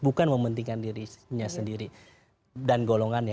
bukan mementingkan dirinya sendiri dan golongannya